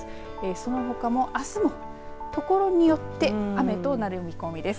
そのほかもあすもところによって雨となる見込みです。